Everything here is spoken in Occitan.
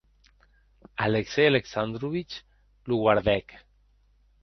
Alexei Alexandrovic lo guardèc.